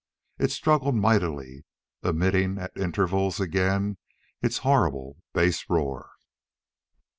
It struggled mightily, emitting at intervals again its horrible bass roar.